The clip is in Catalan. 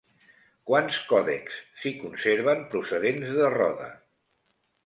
Quants còdexs s'hi conserven procedents de Roda?